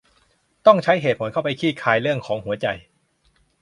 ต้องใช้เหตุผลเข้าไปคลี่คลายเรื่องของหัวใจ